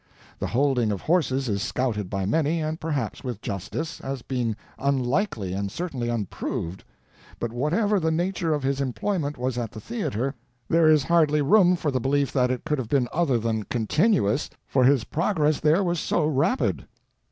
The holding of horses is scouted by many, and perhaps with justice, as being unlikely and certainly unproved; but whatever the nature of his employment was at the theater, there is hardly room for the belief that it could have been other than continuous, for his progress there was so rapid.